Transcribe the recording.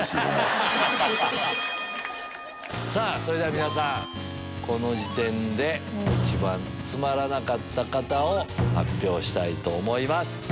それでは皆さんこの時点で一番つまらなかった方を発表したいと思います。